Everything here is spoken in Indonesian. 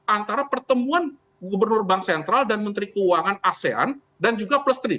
antara pertemuan gubernur bank sentral dan menteri keuangan asean dan juga plus tiga